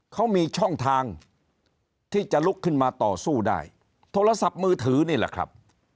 เขามีช่องทางที่จะลุกขึ้นมาต่อสู้ได้โทรศัพท์มือถือนี่แหละครับ